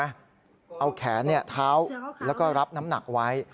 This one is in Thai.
เอาแขนเท้าแล้วก็รับน้ำหนักไว้